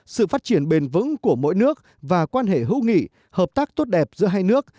sự phát triển bền vững của mỗi nước và quan hệ hữu nghị hợp tác tốt đẹp giữa hai nước